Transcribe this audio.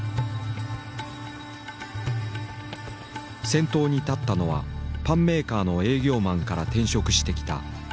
先頭に立ったのはパンメーカーの営業マンから転職してきた宮川輝男だった。